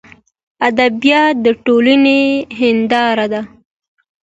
ادبیات دټولني هنداره ده.